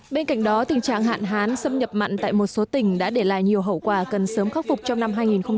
bên cạnh đó tình trạng hạn hán xâm nhập mặn tại một số tỉnh đã để lại nhiều hậu quả cần sớm khắc phục trong năm hai nghìn hai mươi